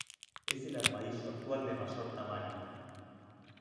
Es el armadillo actual de mayor tamaño.